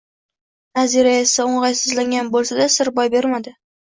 Nazira esa o`ng`aysizlangan bo`lsa-da, sir boy bermadi